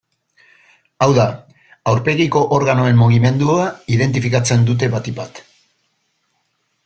Hau da, aurpegiko organoen mugimendua identifikatzen dute batik bat.